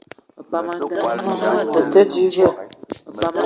O te di ve?